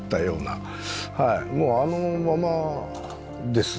はいもうあのままです。